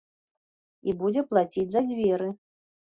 І будзе плаціць за дзверы.